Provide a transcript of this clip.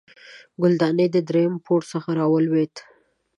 ګلدانۍ د دریم پوړ څخه راولوېده